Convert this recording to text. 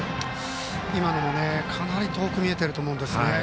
今のもかなり遠く見えていると思います。